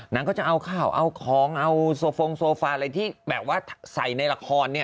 นางก็จะเอาข้าวเอาของเอาโซฟงโซฟาอะไรที่แบบว่าใส่ในละครเนี่ย